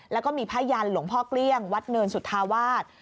แล้วก็มีพระยันต์หลวงพ่อเกลี้ยงวัดเนินสุธาวาส